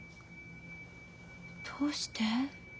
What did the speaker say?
どうして？